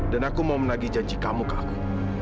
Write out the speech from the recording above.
dan aku mau menagih janji kamu ke aku